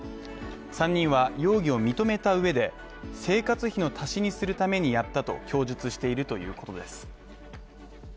３人は容疑を認めた上で、生活費の足しにするためにやったと供述しているということです。